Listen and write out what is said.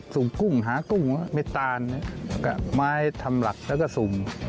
จุ่มกุ้งหากุ้งเมตตานเม้าะทำหลักแล้วก็จุ่ม